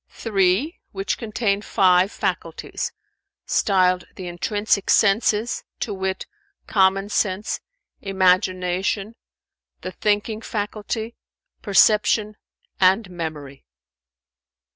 "Three, which contain five faculties, styled the intrinsic senses, to wit, common sense, imagination, the thinking faculty, perception and memory."